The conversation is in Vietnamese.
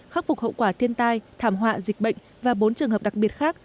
khắc phục hậu quả thiên tai thảm họa dịch bệnh và bốn trường hợp đặc biệt khác